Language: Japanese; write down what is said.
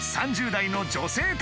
３０代の女性